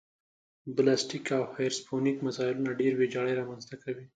بلاستیک او هیپرسونیک مزایلونه ډېره ویجاړي رامنځته کوي